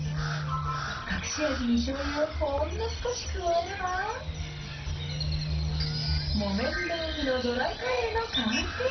隠し味にしょうゆをほんの少し加えれば、木綿豆腐のドライカレーの完成。